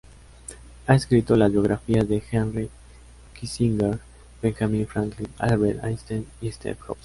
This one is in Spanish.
Ha escrito las biografías de Henry Kissinger, Benjamin Franklin, Albert Einstein y Steve Jobs.